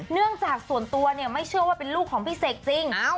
เนื่องจากส่วนตัวเนี่ยไม่เชื่อว่าเป็นลูกของพี่เสกจริง